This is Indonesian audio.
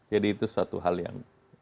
jadi itu suatu hal yang